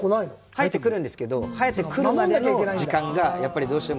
生えてくるんですけど、生えてくるまでの時間がやっぱりどうしても。